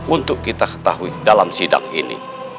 untuk kita ketahui dalam sidang ini